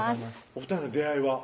お２人の出会いは？